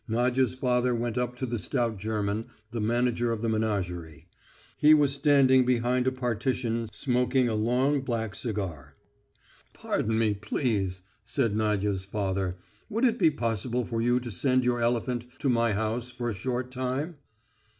Nadya's father went up to the stout German, the manager of the menagerie. He was standing behind a partition smoking a long black cigar. "Pardon me, please," said Nadya's father. "Would it be possible for you to send your elephant to my house for a short time?"